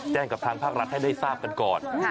กับทางภาครัฐให้ได้ทราบกันก่อน